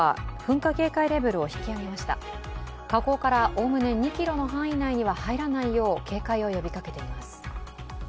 火口からおおむね２ｋｍの範囲内には入らないよう警戒を呼びかけています。